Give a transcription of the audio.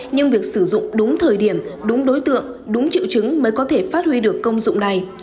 nhưng việc sử dụng đúng thời điểm đúng đối tượng đúng triệu chứng mới có thể phát huy được công dụng này